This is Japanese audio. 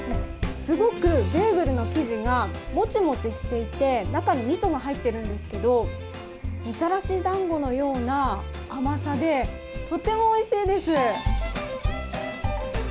すごくベーグルの生地がモチモチしていて中にみそが入っているんですけどみたらしだんごのような甘さでとてもおいしいです。